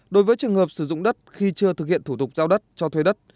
đối với trường hợp sử dụng đất khi chưa thực hiện thủ tục giao đất cho thuê đất